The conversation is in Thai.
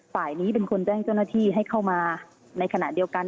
ฝ่ายนี้เป็นคนแจ้งเจ้าหน้าที่ให้เข้ามาในขณะเดียวกัน